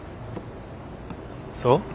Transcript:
そう？